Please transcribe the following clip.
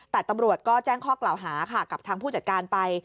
แต่ตำรวจก็แจ้งข้อกล่าวหาค่ะกับทางผู้จัดการไป